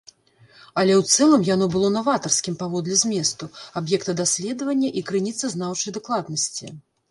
Але ў цэлым яно было наватарскім паводле зместу, аб'екта даследавання і крыніцазнаўчай дакладнасці.